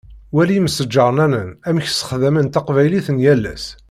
Wali imesǧarnanen amek sexdamen taqbaylit n yal ass.